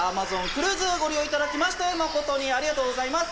クルーズご利用いただきまして誠にありがとうございます